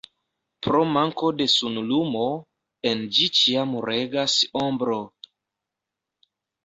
Pro manko de sunlumo, en ĝi ĉiam regas ombro.